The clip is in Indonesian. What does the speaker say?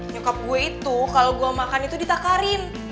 nyokap gue itu kalau gue makan itu ditakarin